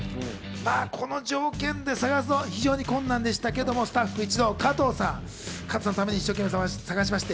この条件で探すのは非常に困難でしたけれども、スタッフ一同加藤さんのために捜しました。